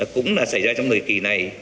cũng là xảy ra trong thời kỳ này